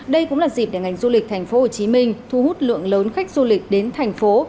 đây cũng là dịp để ngành du lịch thành phố hồ chí minh thu hút lượng lớn khách du lịch đến thành phố